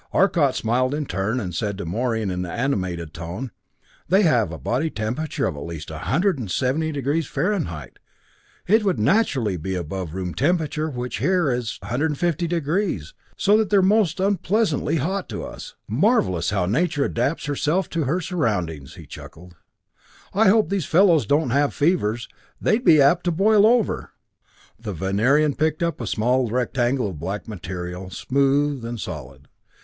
Arcot smiled in turn, and said to Morey in an animated tone: "They have a body temperature of at least 170° Fahrenheit. It would naturally be above room temperature, which is 150° here, so that they are most unpleasantly hot to us. Marvelous how nature adapts herself to her surroundings!" He chuckled. "I hope these fellows don't have fevers. They'd be apt to boil over!" The Venerian had picked up a small rectangle of black material, smooth and solid.